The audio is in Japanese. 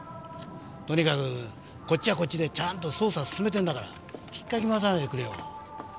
とにかくこっちはこっちでちゃんと捜査を進めてるんだから引っかき回さないでくれよ。